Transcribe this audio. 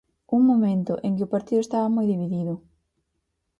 Un momento en que o partido estaba moi dividido.